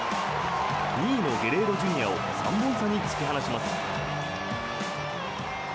２位のゲレーロＪｒ．を３本差に突き放します。